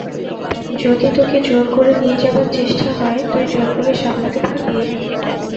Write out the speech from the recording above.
যদি তোকে জোর করে নিয়ে যাবার চেষ্টা হয়, তুই জোর করে সামলাতে পারবি?